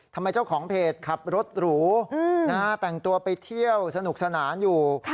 ทำไมเจ้าของเพจขับรถหรูแต่งตัวไปเที่ยวสนุกสนานอยู่